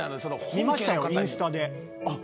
見ましたよ、インスタで。